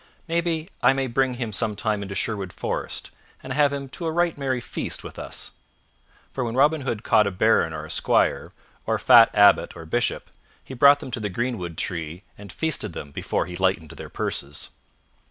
Maybe I may bring him some time into Sherwood Forest and have him to a right merry feast with us." For when Robin Hood caught a baron or a squire, or a fat abbot or bishop, he brought them to the greenwood tree and feasted them before he lightened their purses.